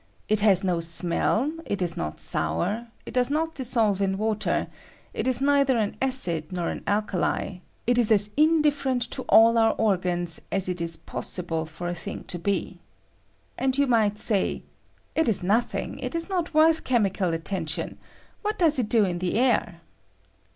It has no smell; it is not sour; it r does not dissolve in water ; it is neither an acid nor an alkali ; it is as indifferent to all our or gans as it is possible for a thing to be. And you might say, " It is nothing ; it is not worth chemical attention ; what does it do in the air